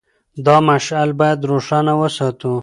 دا مشعل باید روښانه وساتو.